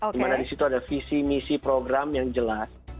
dimana di situ ada visi misi program yang jelas